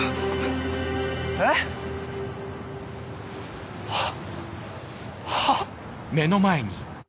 えっ？はっ？